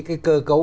cái cơ cấu